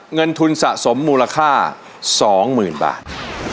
เงินทุนสะสมมูลค่าสองหมื่นบาท